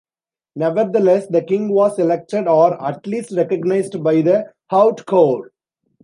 Nevertheless, the king was elected, or at least recognized, by the Haute Cour.